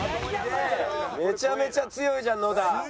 めちゃめちゃ強いじゃん野田。